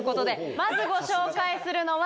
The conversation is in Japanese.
まずご紹介するのは。